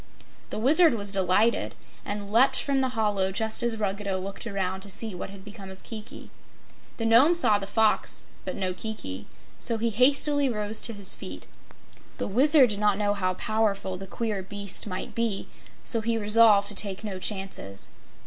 The Wizard was delighted, and leaped from the hollow just as Ruggedo looked around to see what had become of Kiki. The Nome saw the Fox but no Kiki, so he hastily rose to his feet. The Wizard did not know how powerful the queer beast might be, so he resolved to take no chances.